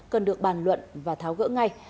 cần được bàn luận và tháo gỡ ngay